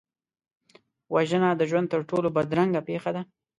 وژنه د ژوند تر ټولو بدرنګه پېښه ده